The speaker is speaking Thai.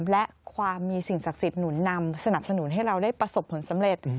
และความมีสิ่งศักดิ์สิทธิหนุนนำสนับสนุนให้เราได้ประสบผลสำเร็จ